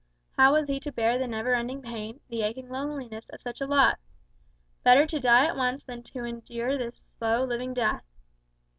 How was he to bear the never ending pain, the aching loneliness, of such a lot? Better to die at once than to endure this slow, living death.